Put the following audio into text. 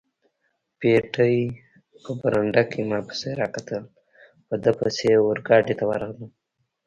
پېټی په برنډه کې ما پسې را کتل، په ده پسې اورګاډي ته ورغلم.